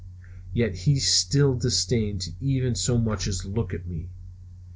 Yet he still disdained to even so much as look at me.